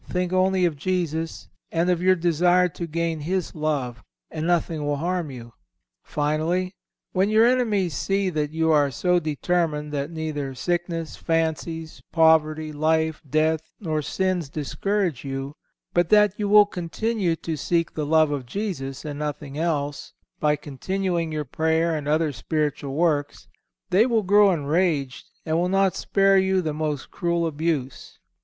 Think only of Jesus, and of your desire to gain His love, and nothing will harm you. Finally, when your enemies see that you are so determined that neither sickness, fancies, poverty, life, death, nor sins discourage you, but that you will continue to seek the love of Jesus and nothing else, by continuing your prayer and other spiritual works, they will grow enraged and will not spare you the most cruel abuse.